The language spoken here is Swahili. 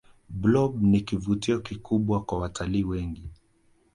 blob ni kivutio kikubwa kwa watalii wengi